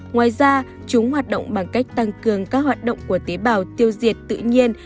ngoài ra chúng hoạt động bằng cách tăng cường các hoạt động của tế bào tiêu diệt tự nhiên